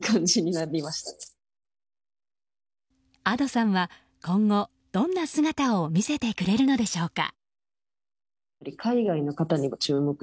Ａｄｏさんは今後、どんな姿を見せてくれるのでしょうか。